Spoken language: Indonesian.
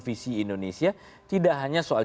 visi indonesia tidak hanya soal